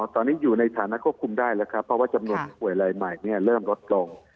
ตอนนี้อยู่ในฐานะควบคุมได้แล้วครับเพราะว่าจำนวนผู้ป่วยรายใหม่เริ่มลดลง